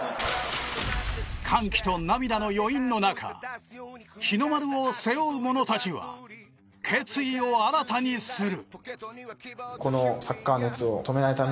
歓喜と涙の余韻の中日の丸を背負う者たちは決意を新たにする。